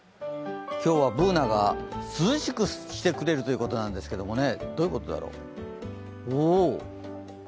今日はＢｏｏｎａが涼しくしてくれるということなんですけどもどういうことだろう？